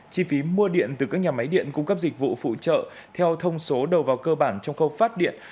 chi phí mua điện từ các nhà máy điện cung cấp dịch vụ phụ trợ theo thông số đầu vào cơ bản trong khâu phát điện